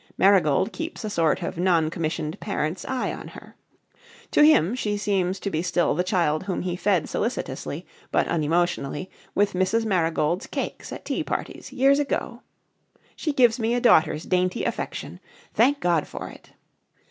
Marigold keeps a sort of non commissioned parent's eye on her. To him she seems to be still the child whom he fed solicitously but unemotionally with Mrs. Marigold's cakes at tea parties years ago. She gives me a daughter's dainty affection. Thank God for it!